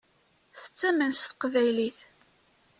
Tettamen s teqbaylit.